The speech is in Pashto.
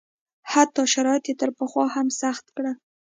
حتی شرایط یې تر پخوا هم سخت کړل.